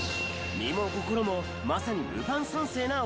身も心もまさにルパン三世な男。